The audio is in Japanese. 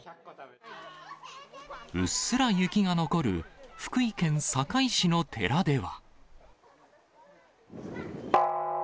うっすら雪が残る福井県坂井市の寺では。